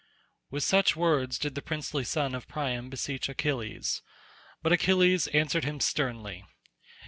With such words did the princely son of Priam beseech Achilles; but Achilles answered him sternly.